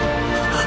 ああ。